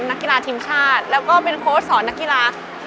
นักกีฬาทีมชาติแล้วก็เป็นโค้ชสอนนักกีฬา